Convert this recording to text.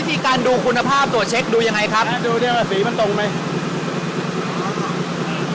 วิธีการดูคุณภาพตรวจเช็คดูยังไงครับดูดิว่าสีมันตรงไหม